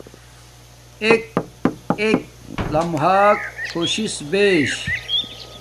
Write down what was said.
ایک ایک لمحہ خوش بیش